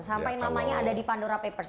sampai namanya ada di pandora papers